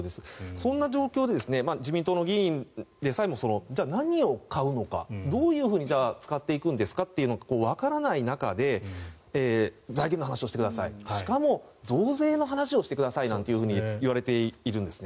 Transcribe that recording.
そんな状況で自民党の議員でさえ何を買うのかどういうふうに使っていくんですかというのがわからない中で財源の話をしてくださいしかも増税の話をしてくださいなんていうふうに言われているんです。